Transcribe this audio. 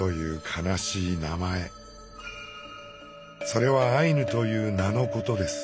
それは「アイヌ」という名のことです。